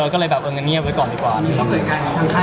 ก็เลยเรียกอันเงียบไว้ก่อนดีกว่า